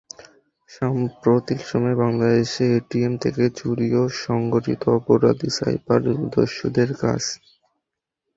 সাম্প্রতিক সময়ে বাংলাদেশে এটিএম থেকে চুরিও সংগঠিত অপরাধী সাইবার দস্যুদের কাজ।